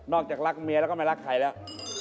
จากรักเมียแล้วก็ไม่รักใครแล้ว